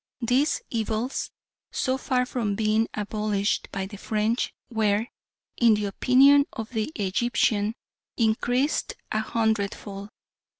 These evils, so far from being abolished by the French, were, in the opinion of the Egyptian, increased a hundredfold.